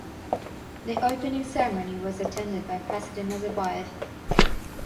The opening ceremony was attended by President Nazarbayev.